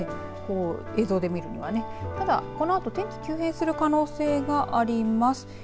映像で見るにはねただ、このあと天気急変する可能性があります。